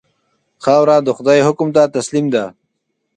خاوره د خدای حکم ته تسلیم ده.